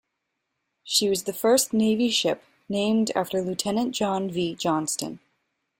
She was the first Navy ship named after Lieutenant John V. Johnston.